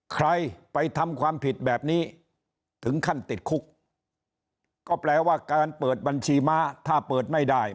ใครไปทำความผิดแบบนี้ถึงขั้นติดคุกก็แปลว่าการเปิดบัญชีม้าถ้าเปิดไม่ได้